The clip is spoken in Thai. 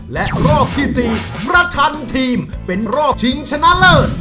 และรอบที่๔ประชันทีมเป็นรอบชิงชนะเลิศ